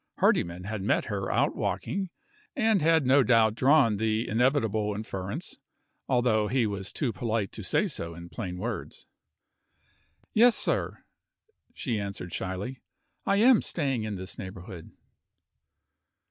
Hardyman had met her out walking, and had no doubt drawn the inevitable inference although he was too polite to say so in plain words. "Yes, sir," she answered, shyly, "I am staying in this neighborhood."